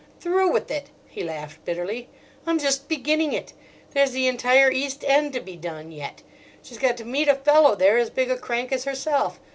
"Through with it!" he laughed bitterly. "I'm just beginning it. There's the entire East End to be done yet: she's got to meet a fellow there as big a crank as herself.